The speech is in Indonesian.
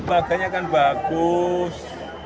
lembaganya kan bagus